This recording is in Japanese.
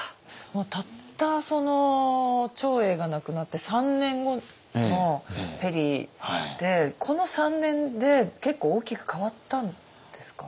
たったその長英が亡くなって３年後のペリーでこの３年で結構大きく変わったんですか？